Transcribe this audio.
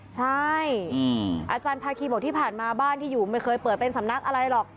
ใช่อาจารย์ภาคีบอกที่ผ่านมาบ้านที่อยู่ไม่เคยเปิดเป็นสำนักอะไรหรอก